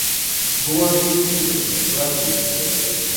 Dorothy Fields worked in this way.